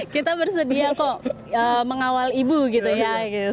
kita bersedia kok mengawal ibu gitu ya